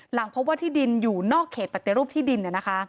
หลังพบว่าที่ดินอยู่นอกเขตปัตยรูปที่ดินนะคะ